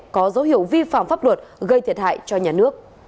có dấu hiệu vi phạm pháp luật gây thiệt hại cho nhà nước